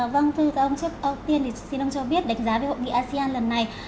vâng thưa các ông trước tiên xin ông cho biết đánh giá về hội nghị asean lần này